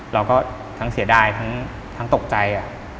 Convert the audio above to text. เราก็ทั้งเสียดายทั้งตกใจ